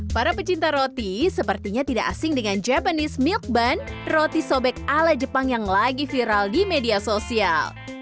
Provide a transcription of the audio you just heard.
para pecinta roti sepertinya tidak asing dengan japanese milk bun roti sobek ala jepang yang lagi viral di media sosial